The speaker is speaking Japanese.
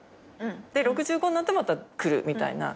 で６５になってまたくるみたいな。